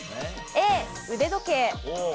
Ａ、腕時計。